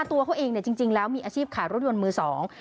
ตัวเองมีอาชีพขายรถยนต์มื้อสอง